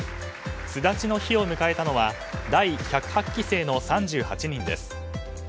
巣立ちの日を迎えたのは第１０８期生の３８人です。